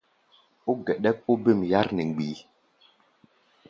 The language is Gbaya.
Ó geɗɛ́k óbêm yár nɛ mgbií.